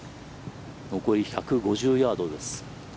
残り１５０ヤードです。